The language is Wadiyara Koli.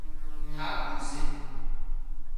هاٻو سي